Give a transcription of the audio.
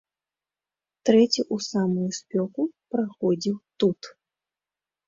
Трэці ў самую спёку праходзіў тут.